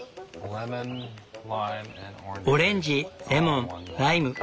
オレンジレモンライム